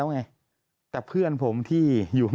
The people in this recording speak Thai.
แต่ได้ยินจากคนอื่นแต่ได้ยินจากคนอื่น